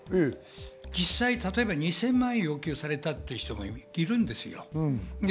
実際、例えば２０００万円を要求されたっていう人もいるんですよ。